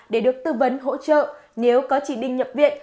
để được tư vấn hỗ trợ nếu có chỉ định nhập viện